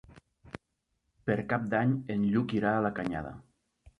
Per Cap d'Any en Lluc irà a la Canyada.